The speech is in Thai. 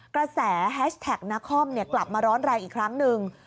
กระแสไฮชแทคนครรภ์กลับมาร้อนรายอีกครั้งหนึ่ง